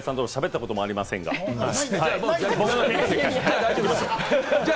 翔平さんと喋ったこともありませんが。